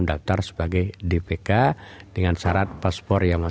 apakah lancar atau ada